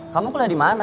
kamu kuliah di mana